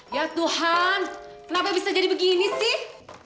ya tuhan kenapa bisa jadi begini sih